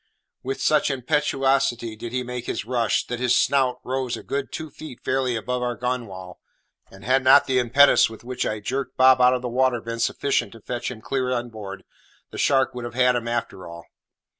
With such impetuosity did he make his rush, that his snout rose a good two feet fairly above our gunwale; and had not the impetus with which I jerked Bob out of the water been sufficient to fetch him clear inboard, the shark would have had him after all.